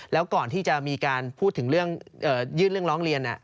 แล้วก่อนที่จะมีการพูดถึงเรื่องยื่นเรื่องร้องเรียน